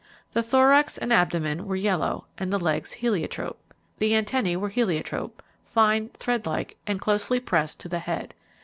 The thorax and abdomen were yellow, and the legs heliotrope. The antennae were heliotrope, fine, threadlike, and closely pressed to the head.